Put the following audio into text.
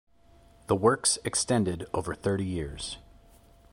The works extended over thirty years.